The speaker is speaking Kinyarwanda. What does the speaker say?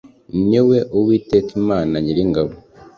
ni we Uwiteka Imana Nyiringabo.